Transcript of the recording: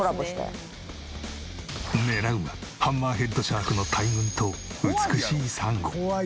狙うはハンマーヘッドシャークの大群と美しい珊瑚。